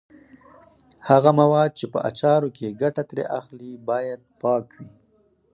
هغه مواد چې په اچارو کې ګټه ترې اخلي باید پاک وي.